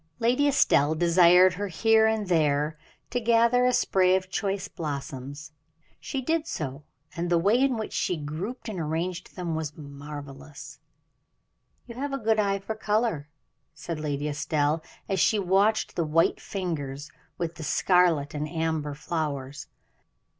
Lady Estelle desired her here and there to gather a spray of choice blossoms. She did so, and the way in which she grouped and arranged them was marvelous. "You have a good eye for color," said Lady Estelle, as she watched the white fingers, with the scarlet and amber flowers.